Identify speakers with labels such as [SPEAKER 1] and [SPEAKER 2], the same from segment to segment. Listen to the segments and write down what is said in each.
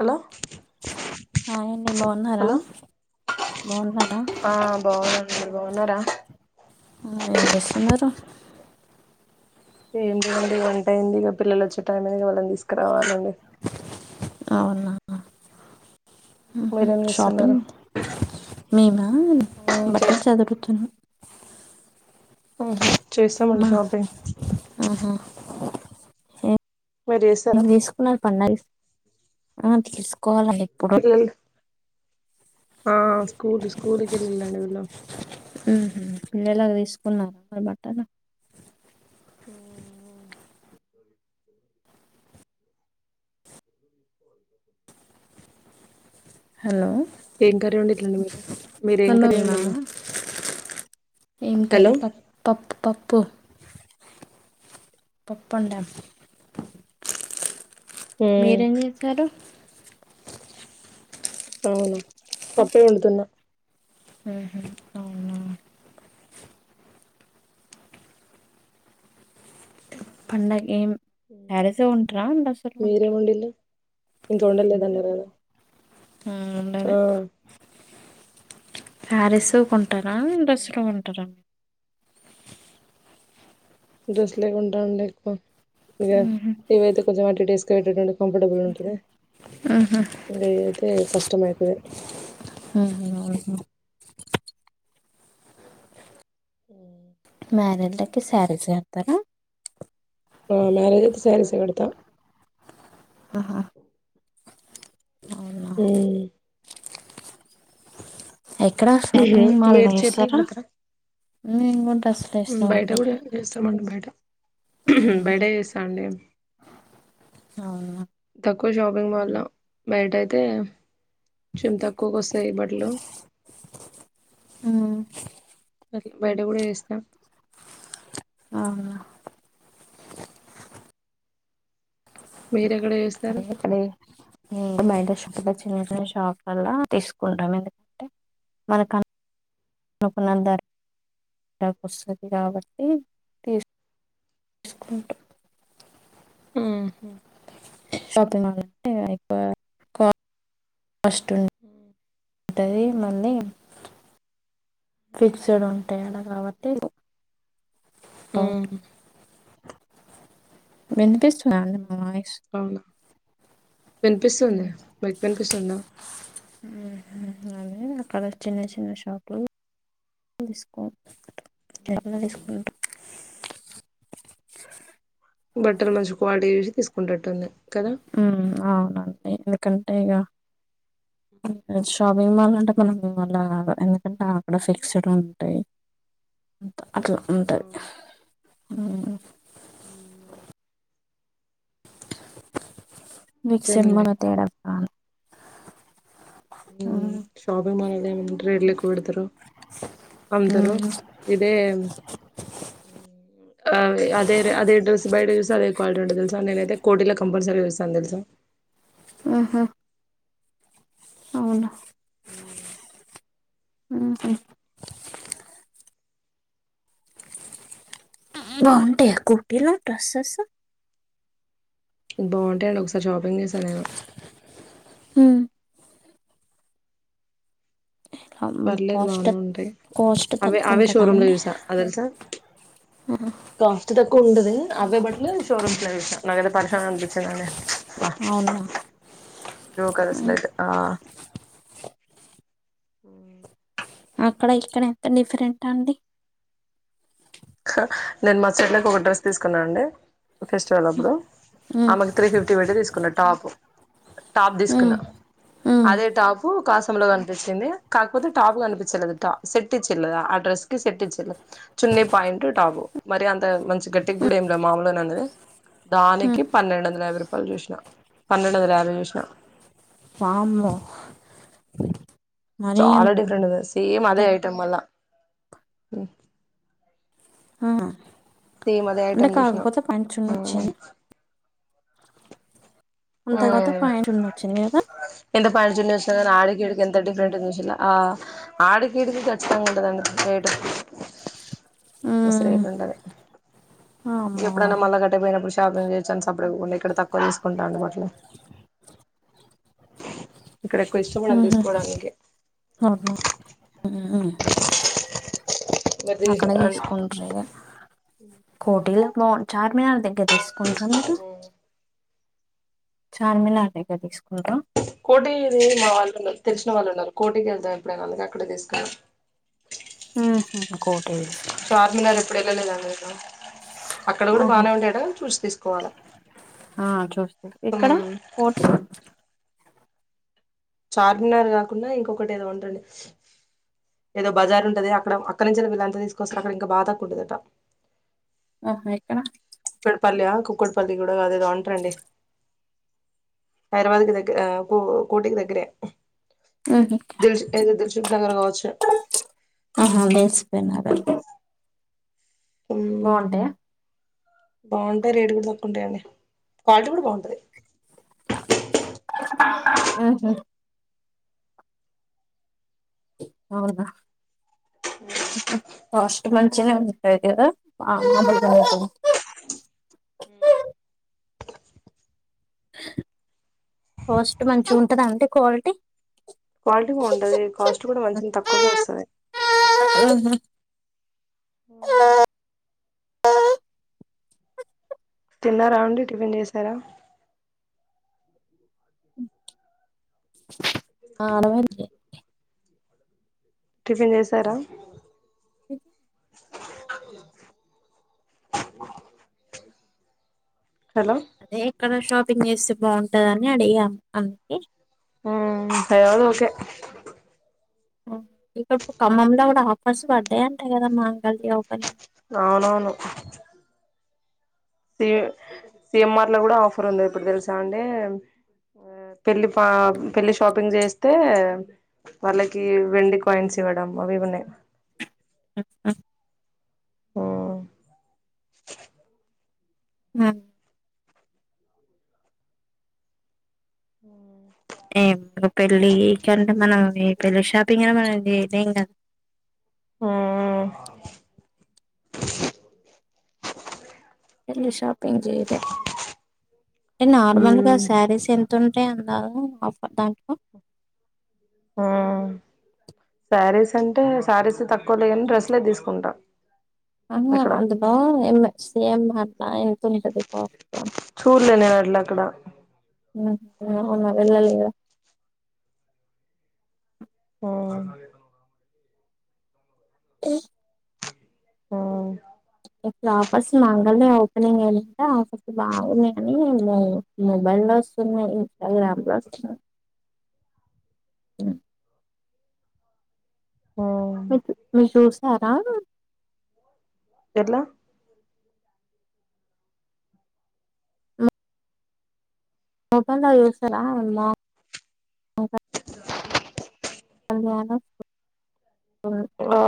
[SPEAKER 1] Hello
[SPEAKER 2] హమ్ అండి బాగున్నారా
[SPEAKER 1] హలో
[SPEAKER 2] బాగున్నారా
[SPEAKER 1] ఆ బాగున్నాను మీరు బాగున్నారా
[SPEAKER 2] ఏం చేస్తున్నారు
[SPEAKER 1] ఏంటి అండి వంటైంది ఇక పిల్లలు వచ్చే టైం అనే వాళ్ళని తీసుకురావాలండి
[SPEAKER 2] అవునా ఉహుమ్
[SPEAKER 1] మీరేం చేస్తున్నారు
[SPEAKER 2] షాపింగ్ మేమాన్ బట్టలు చదురుతున్నా
[SPEAKER 1] ఆహా చేస్తామండి
[SPEAKER 2] మా
[SPEAKER 1] షాపింగ్
[SPEAKER 2] ఆహా
[SPEAKER 1] మీరు చేస్తారా
[SPEAKER 2] నేను తీసుకున్నారు పండగ ఆ తీసు కోవాలండి ఇప్పుడు
[SPEAKER 1] పిల్లలు ఆ స్కూల్ స్కూల్కిళ్ళడి వెళ్ళ
[SPEAKER 2] ఉహుమ్ పిల్లలా కు తీసుకున్నారా అ బట్టలు
[SPEAKER 1] ఆమ్
[SPEAKER 2] హలో
[SPEAKER 1] ఏం కర్రి వండిటలండి మీరు మీరేం
[SPEAKER 2] హలో
[SPEAKER 1] కర్రి
[SPEAKER 2] మేమా
[SPEAKER 1] వండిడ్రు
[SPEAKER 2] ఏం
[SPEAKER 1] హలో
[SPEAKER 2] కర్రీ పప్ పప్పు పప్పు పప్పు వండా మీరేం చేశారు
[SPEAKER 1] అవునా పప్పే వండుతున్నా
[SPEAKER 2] ఓహో అవునా పండగ ఏం శారీసే కొంటారా డ్రెస్సులు కొంటారా
[SPEAKER 1] మీరేమి ఓడిన్రు ఇంకా ఉండలేద అన్నారు కదా
[SPEAKER 2] ఆహ్ ఒండాలే
[SPEAKER 1] ఆ
[SPEAKER 2] పారిస్ కొ టారా ఇండస్ లో ఉంటారా
[SPEAKER 1] డ్రెస్సులే కొంటానలే ఎక్కువ ఇ ఇవయితే కొంచెం అటు ఇటు వేసు ట [unintelligible] కంఫర్టబుల్ ఉంటుంది ఇకా ఇద అయితే కష్టమయిపై హమ్
[SPEAKER 2] మ్యారేజ్ల కి సారీస్ కడతారా
[SPEAKER 1] ఆహ్ మ్యారేజ్ అయితే సారీస్ ఎహ్ కడతా
[SPEAKER 2] ఆహా అవునా
[SPEAKER 1] హమ్
[SPEAKER 2] ఎక్కడ షాపింగ్ మాల్ లో
[SPEAKER 1] మీరు చీరలే
[SPEAKER 2] ఛేస్తారా
[SPEAKER 1] కడతారా బయట కూడా చేస్తామండి బయట బయట చేస్తాండి
[SPEAKER 2] అవునా
[SPEAKER 1] తకు క్కువ షాపింగ్ మాల్ లో బయట అయితే కోన్చం తక్కువకు వస్తాయి బట్టలు ఆది బయట కూడా చేస్న
[SPEAKER 2] ఆహ్
[SPEAKER 1] మీరు ఎక్కడ చేస్తారు
[SPEAKER 2] అరే [unintelligible] చిన్న చిన్న షాప్లల్లా తీసుకుంటాం ఎందుకంటే మనకు నకునందారు అస్తదీ కాబట్టి తీస్ సుకుటం
[SPEAKER 1] ఉహు
[SPEAKER 2] షాపింగ్ మాల్ లో ఎక్కువ కాస్ట్ ఉ ఉంటుంది మళ్ళీ ఫిక్స్డ్ ఉంటాయి ఆడా కాబట్టి
[SPEAKER 1] హమ్
[SPEAKER 2] వినిపిస్ ద అండి నా వాయిస్
[SPEAKER 1] అవునా వినిపిస్తుంది మీకు వినిపిస్తుందా
[SPEAKER 2] అదే అక్కడ చిన్న చిన్న షాట్లు తీసుకో ఎ
[SPEAKER 1] ఉమ్
[SPEAKER 2] తీసుకుంటా
[SPEAKER 1] బట్టర్ మంచి క్వాలిటీ చూసి తీసుకుంటట్టుంది కదా
[SPEAKER 2] హమ్ అవునండి కంటెగా షాపింగ్ మాల్ అంటే మనం మనావల్లా కాదు ఎందుకంటే అక్కడ ఫిక్స్డ్ ఉంటాయి అట్లా ఉంటుంది
[SPEAKER 1] అవును
[SPEAKER 2] ఆ ఆ
[SPEAKER 1] ఉమ్ అవును
[SPEAKER 2] విక్సన్ మ
[SPEAKER 1] అంతేనండి
[SPEAKER 2] తడాాల ఉమ్
[SPEAKER 1] షాపింగ్ మాల్ అల్ ఏమంట ఇళ్లిడదారు అమ్దారు
[SPEAKER 2] ఉమ్
[SPEAKER 1] ఇదే ఆ అదే అదే డ్రెస్ బయట చూసా అదే క్వాలిటీ ఉంటే తెలుసా నేనైతే కోటిలో కంపల్సరీ చూస్తాను తెలుసాను
[SPEAKER 2] ఉహుమ్ అవునా
[SPEAKER 1] ఉమ్
[SPEAKER 2] ఉహుమ్ ఉమ్ బాగుంటాయి కుటీలో డ్రెస్సు
[SPEAKER 1] ఇ బాగుంటాయంండి ఒకసారి షాపింగ్ చేసా నేను
[SPEAKER 2] ఉమ్
[SPEAKER 1] పర్లేదు
[SPEAKER 2] కాస్ట్
[SPEAKER 1] బానే ఉంటాయి
[SPEAKER 2] కాస్ట్
[SPEAKER 1] అవి
[SPEAKER 2] తక్కువ
[SPEAKER 1] అవే
[SPEAKER 2] ఉంటదా
[SPEAKER 1] షోరూమ్ లో
[SPEAKER 2] అండి
[SPEAKER 1] చూసా అ తెలుసా కాస్ట్ త కొండది అబ్బయ బట్లో షోరూమ్ కలో చసాను నాకదతే పరిశ అనిపించింద
[SPEAKER 2] అవునా ఉమ్
[SPEAKER 1] జోకసలట్ ఆ ఉమ్
[SPEAKER 2] అక్కడ ఇక్కడ ఎంత డిఫరెంట్ అండి
[SPEAKER 1] నేను మా స్ట్లోకి ఒక డ్రెస్ తీసుకున్నా అండి ఫెస్టివల్ అప్పుడు
[SPEAKER 2] ఉమ్
[SPEAKER 1] ఆమెకు త్రీ ఫిఫ్టీ పెట్టి తీసుకున్న టాప్ టాప్
[SPEAKER 2] ఉమ్,
[SPEAKER 1] తీసుకున్నా
[SPEAKER 2] ఉమ్,
[SPEAKER 1] అదే టాప్ కాస లో కనిపించింది కాకపోతే టాప్ కనిపించలేదు ట సెట్ ఇచ్చి ల్దా అడ్రస్కి సెట్ చే చున్న టాబ మరి అ మంచి గట్టటిక్
[SPEAKER 2] ఉమ్,
[SPEAKER 1] గుూడేంలో మామలునే అది
[SPEAKER 2] ఉమ్.
[SPEAKER 1] దాకి పన్నెండందల ర చెప్ప చూష పన్నెండ వందల భ చూసిన
[SPEAKER 2] వామూ
[SPEAKER 1] చాలా డిఫరెంట్ అద సేమ్ అదే
[SPEAKER 2] ఎక్కు-
[SPEAKER 1] ఐటమ్ అల్లా హు
[SPEAKER 2] ఆ
[SPEAKER 1] సేమ్ అదే
[SPEAKER 2] అంటే
[SPEAKER 1] ఐటం చుస్నా
[SPEAKER 2] కాకపోతే పాయింట్ చున్న
[SPEAKER 1] ఉమ్
[SPEAKER 2] వచ్చింది అంత
[SPEAKER 1] ఆ
[SPEAKER 2] కాకపోతే పాయింట్ చున్న వచ్చింది కదా
[SPEAKER 1] ఎంత పంచుని ట్రా ఆడకేడికి ఎంత డిఫరెంట్ విలా ఆడకేడికి ఖచ్చితంగా ఉంటదండి ముసరి
[SPEAKER 2] ఉమ్,
[SPEAKER 1] ఇట్లంటాది డ
[SPEAKER 2] వామ్మో
[SPEAKER 1] ఎప్పుడైన్నా మళ్ళా కట్టపోయినప్పుడు షాపింగ్ చేసాన్స్ అప్పుడు కూడా ఇక్కడ తక్కువ తీసుకుంటాండి అట్లు
[SPEAKER 2] ఉహు
[SPEAKER 1] తీసుకోవడానికి
[SPEAKER 2] అన్నా
[SPEAKER 1] మరి
[SPEAKER 2] అక్కడ తీసుకుంటారిగా కోటీలో పో చార్ మిన అందిం తీసుకుండ్ర మీరు చార్మినార్ దగ్గర తీసుకుంటారా
[SPEAKER 1] కోటి ఇది మా వాళ్ళు ఉన్నారు తెలిసిన వాళ్ళు ఉన్నారు కోటికి వెళ్దాం ఎప్పుడైనా అందుక అక్కడే తీసుకు
[SPEAKER 2] ఉహు, కోటి తీసుకుంటారు
[SPEAKER 1] చార్మినార్ ఎప్పుడు వెళ్ళలేదండి అక్కడ ఊరు
[SPEAKER 2] ఉహు,
[SPEAKER 1] బానే వు డా చూసి తీసుకోవాలి
[SPEAKER 2] ఆ, చూస్తారు ఇక్కడ కోటి
[SPEAKER 1] చార్మినార్ కాకుండా ఇంకొకటి ఏదో ఉండండి ఏదో బజారు ఉంటది అక్కడ అక్కడ నుంచి వీళ్ళంతా తీసుకొస్తారు అక్కడ ఇంకా బా తాక్కు ఉంటందిట
[SPEAKER 2] ఆహా ఎక్కడా
[SPEAKER 1] కుక్కడిపల్లియా కుక్కడిపల్లి కూడా అదేదో ఉంటరండి హైదరాబాద్ కి దగ్గర కూ కోటికి దగ్గరే
[SPEAKER 2] ఉహు
[SPEAKER 1] దిల్ష్ ఏదో దిల్షుక్ నగర్ కావచ్చు
[SPEAKER 2] ఆహా బస్ పెన అ
[SPEAKER 1] హ్మ్,
[SPEAKER 2] బాగుంటాయా
[SPEAKER 1] బాగుంటాయి రేటు కూడా తక్కువంటాయండి క్వాలిటీ కూడా బాగుంటది
[SPEAKER 2] ఊహు అవునా కాస్ట్ మంచిగనే వుంట్జ్ కాస్ట్ మంచిగా ఉంటుంద అంటడి క్వాలిటీ
[SPEAKER 1] క్వాలిటీ బానే ఉంటది కాస్ట్ కూడా మంచి తక్కువగా వస్తుంది
[SPEAKER 2] నా ఆ
[SPEAKER 1] తిన్నారా అండి టిఫెన్ చేసారా
[SPEAKER 2] [unintelligible]
[SPEAKER 1] టిఫిన్ చేసారా
[SPEAKER 2] ఇ
[SPEAKER 1] హలో
[SPEAKER 2] అదే ఎక్కడ షాపింగ్ చేస్తే బాగుంటదని అడిగాం అందుకి
[SPEAKER 1] మ్ ఏదైనా ఓకే
[SPEAKER 2] ఇక్కడ ఖమ్మంలో కూడా ఆఫర్స్ పడ్డాయంటాయి కదా మాంగళ ఓపెరి
[SPEAKER 1] అవునవును సి సిఎంఆర్ లో కూడా ఆఫర్ ఉంది ఇప్పుడు తెలుసా అండి పెళ్ళి పెళ్లిి షాపింగ్ చేస్తే వాళ్ళకి వెండి కాయిన్స్ ఇవ్వడం అవి ఉన్నాయి
[SPEAKER 2] అ
[SPEAKER 1] మ్
[SPEAKER 2] ఆ
[SPEAKER 1] ఉ
[SPEAKER 2] ఏమి పెళ్ళికంటే మనం ఈ పెళ్ళి షాపింగ్ అనే మనం చేయలేం కదా
[SPEAKER 1] మ్ మ్
[SPEAKER 2] ఇల్లూ షాపిింగ్ చేయలే అే నార్మల్ గా
[SPEAKER 1] ఉమ్
[SPEAKER 2] శారీస్ ఎంత తుంటే అందారు ఆఫర్ థాంక్ యూ
[SPEAKER 1] ఆ శారీస్ అంటే శారీస్ తక్కువ లే కానీ డ్రస్లే తీసుకుంటాం
[SPEAKER 2] అన్ని అంటదా ఎమ్మ సేమ్ మత్త ఆయనతోనే కదా పాప్కార్న్
[SPEAKER 1] చూళ్లే నేను అట్ల అక్కడ
[SPEAKER 2] ఉమ్ అవున వెళ్ళ లేద
[SPEAKER 1] ఓ
[SPEAKER 2] ఈ
[SPEAKER 1] ఆ
[SPEAKER 2] ఇప్పుడు ఆఫర్స్ మంగల్య ఓపెనింగ్ అయింది కదా ఆఫర్స్ బాగున్నాయి మనీ మ మొబైల్ లోస్ స్తున్నాయ్ ఇన్స్టాగ్రామ్లొస్తున్నాయ్ ఆ
[SPEAKER 1] ఉమ్
[SPEAKER 2] మిస్ మి షూస్ ఏస్తారా
[SPEAKER 1] ఎట్లా
[SPEAKER 2] మొబైల్లో యూసరా మ మొ హంగణ
[SPEAKER 1] ఆ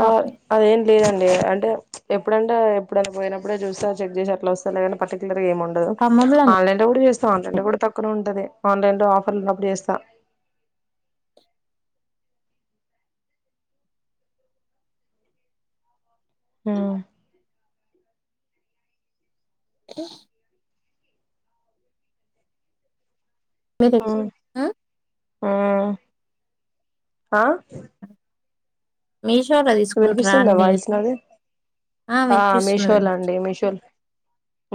[SPEAKER 1] అదేం లేదండి అంటే ఎప్పుడంటే ఎప్పుడనా పోయినడే చూస్తా చెక్ చేసి అట్లా వస్తా లేదంటే పర్టికులర్ ఏమి ఉండదు
[SPEAKER 2] ఖమ్మంలో
[SPEAKER 1] ఆన్లైన్ లో కూడా చూస్తా ఆన్లైన్ లో కూడా తక్కువ ఉంటది ఆన్లైన్ లో ఆఫర్లు ఉన్నప్పుడు చేస్తా ఆ
[SPEAKER 2] ఏ మీది
[SPEAKER 1] ఉమ్ ఆ
[SPEAKER 2] మీషోలో తీసుకుంటారా
[SPEAKER 1] వినిపిస్తుందా
[SPEAKER 2] అండి
[SPEAKER 1] వాయిస్ నాది ఆ మీషోల అండి మీషోల్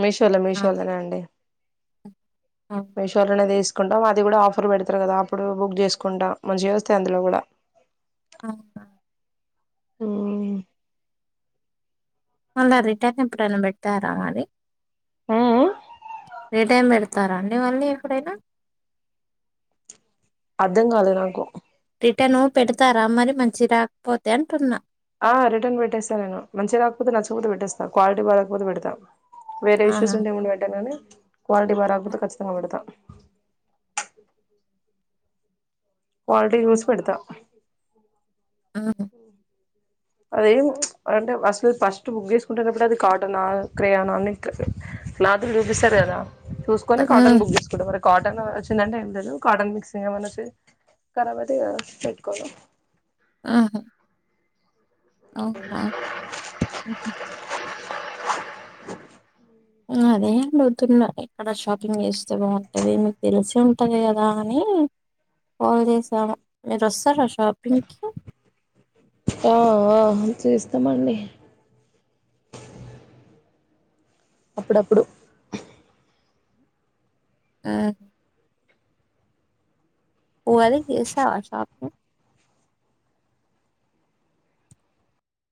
[SPEAKER 1] మీషోలో
[SPEAKER 2] వినిపిస్తుంది
[SPEAKER 1] మీషోలోనే అండి మీషోలనే తీస్ కుంటాం అది కూడా ఆఫర్ పెడతారు కదా అప్పుడు బుక్ చేసుకుంటా మంచిగస్తాయి అందులో కూడా
[SPEAKER 2] ఆ హా
[SPEAKER 1] ఉమ్
[SPEAKER 2] మళ్ళా రిటర్న్ ఎప్పుడైనా పెడట్టార మరి రీ టైమ్ పెడతారాండి మళ్ళీ ఎప్పుడైనా
[SPEAKER 1] అర్ధం కాలే నాకు
[SPEAKER 2] రిటన్ పెడతారా మరి మంచి రాకపోతే అంటున్నా.
[SPEAKER 1] ఆ రిటర్న్ పెట్టేస్తాను నేను మంచిగా రాకపోతే నచ్చకపోతే పెట్టేస్తాను క్వాలిటీ బాగా లేకపోతే పెడతా. వేరే ఇష్యూస్
[SPEAKER 2] ఆహా
[SPEAKER 1] ఉంటే ఏం పెట్టాను కానీ క్వాలిటీ బాగా రాకపోతే ఖచ్చితంగా పెడతా. క్వాలిటీ చూసి పెడతా
[SPEAKER 2] ఆ
[SPEAKER 1] అదేం అంటే అసలు ఫస్ట్ బుక్ చేసుకుంటున్నప్పుడు అది కాటన్ క్రేయన అని ఇట్ల క్లాతులు చూపిస్తారు కదా. చూసుకునే కాటన్ బుక్ తీసుకుంట వరకు కాటన్ వచ్చిందంటే ఏం లేదు కాటన్ మిక్సింగ్ ఏమైనా వచ్చి కరబైతాయి కదా పెట్టుకోలేం
[SPEAKER 2] ఆహా అవునా మ్మ్ అదేం పోతున్న ఎక్కడ షాపింగ్ చేస్ సగం వత్తది మీకు తెలుస్ ఉంటది కదా అని కాల్ చేసాను మీరు వస్తారా షా. షాపింగ్కి
[SPEAKER 1] అ చేస్తామండి అప్పుడప్పుడు
[SPEAKER 2] ఆ ఉగాదికి చేసావా షాపింగ్